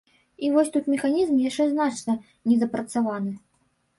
І вось тут механізм яшчэ значна недапрацаваны.